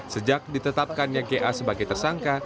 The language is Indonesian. sejak ditetapkannya ga sebagai tersangka